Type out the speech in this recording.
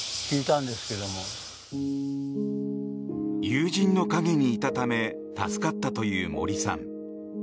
友人の陰にいたため助かったという森さん。